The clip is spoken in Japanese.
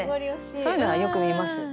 そういうのはよく見ますよ。